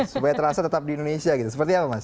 supaya terasa tetap di indonesia gitu seperti apa mas